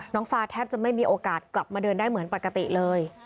ฟ้าแทบจะไม่มีโอกาสกลับมาเดินได้เหมือนปกติเลย